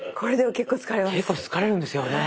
結構疲れるんですよね。